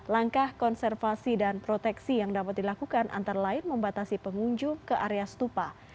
langkah konservasi dan proteksi yang dapat dilakukan antara lain membatasi pengunjung ke area stupa